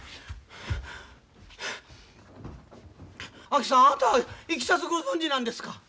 あきさんあなたいきさつご存じなんですか？